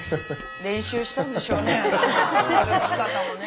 練習したんでしょうね。